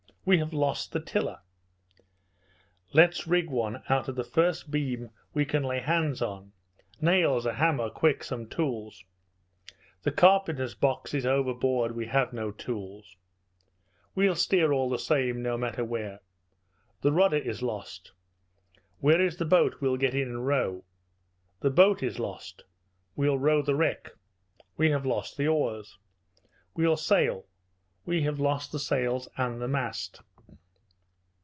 "We have lost the tiller." "Let's rig one out of the first beam we can lay hands on. Nails a hammer quick some tools." "The carpenter's box is overboard, we have no tools." "We'll steer all the same, no matter where." "The rudder is lost." "Where is the boat? We'll get in and row." "The boat is lost." "We'll row the wreck." "We have lost the oars." "We'll sail." "We have lost the sails and the mast."